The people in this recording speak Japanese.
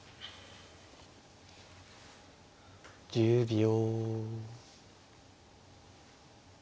１０秒。